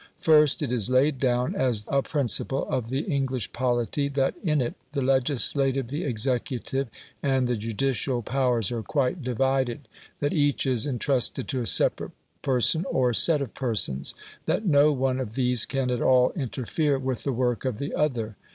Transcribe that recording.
First, it is laid down as a principle of the English polity, that in it the legislative, the executive, and the judicial powers are quite divided that each is entrusted to a separate person or set of persons that no one of these can at all interfere with the work of the other.